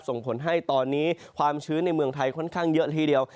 ส่งผลให้ตอนนี้ความชื้นในเมืองไทยค่อนข้างเยอะละทีเดียว